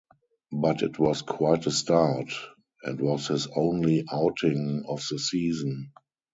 But it was quite a start, and was his only outing of the season.